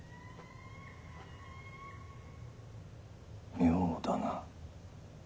妙だな。